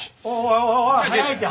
おいおい早いって。